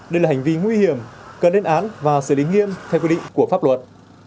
đây là hành vi nguy hiểm cần đến án và xử lý nghiêm theo quy định của pháp luật